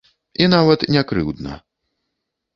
І нават не крыўдна.